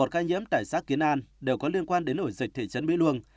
một ca nhiễm tại xã kiến an đều có liên quan đến ổ dịch thị trấn mỹ luông